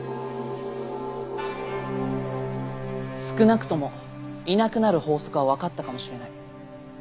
少なくともいなくなる法則は分かったかもしれない。